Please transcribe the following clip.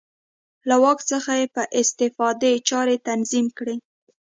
له واک څخه یې په استفادې چارې تنظیم کړې.